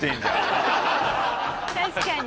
確かに。